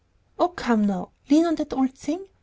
"Oh, come now, lean on that old thing!